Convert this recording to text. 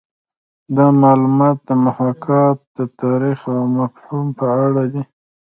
دا معلومات د محاکات د تاریخ او مفهوم په اړه دي